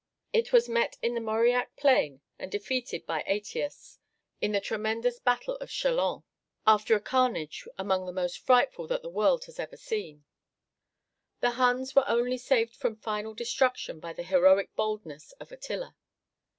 It was met in the Mauriac plain and defeated by Ætius in the tremendous battle of Chalons, after a carnage among the most frightful that the world has ever seen. The Huns were only saved from final destruction by the heroic boldness of Attila.